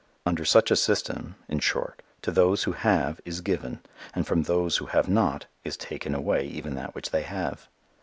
Under such a system, in short, to those who have is given and from those who have not is taken away even that which they have.